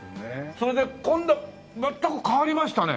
それで今度は全く変わりましたね